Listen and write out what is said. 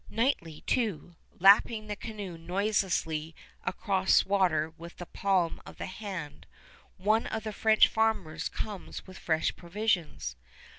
Nightly, too, lapping the canoe noiselessly across water with the palm of the hand, one of the French farmers comes with fresh provisions.